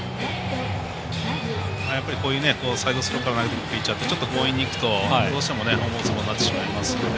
やっぱり、サイドスローから投げてくるピッチャーって強引にいくとどうしても思うつぼになってしまいますので。